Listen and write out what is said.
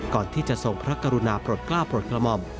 ก่อนที่จะทรงพระกรุณาปลดกล้าปลดกระหม่อม